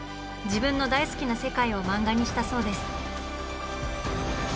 自分の大好きな世界を漫画にしたそうです。